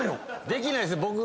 できないです僕。